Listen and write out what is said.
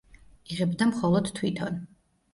იღებდა მხოლოდ თვითონ.